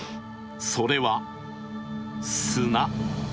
それは砂。